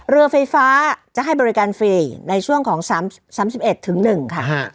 เรือไฟฟ้าจะให้บริการฟรีในช่วงของวันที่๓๑๑ครับ